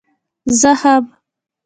زه هم.